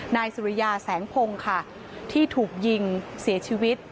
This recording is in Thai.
นายสุริยาแสงพงศ์ค่ะที่ถูกยิงเสียชีวิต